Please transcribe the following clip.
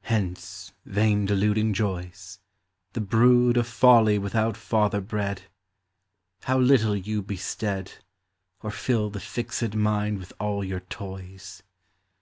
Hence, vain deluding joys, The brood of Folly without father bred ! How little you bestead, Or fill the fixed mind with all your toys